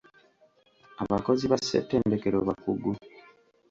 Abakozi ba ssetendekero bakugu.